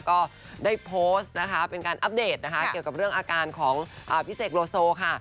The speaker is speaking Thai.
ก็ได้โพสต์นะคะเป็นการอัปเดตนะคะเกี่ยวกับเรื่องอาการของพี่เสกโลโซค่ะ